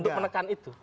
untuk menekan itu